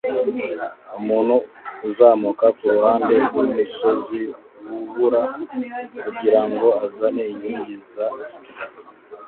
Umuntu uzamuka kuruhande rwumusozi wubura kugirango azane inkingi za ski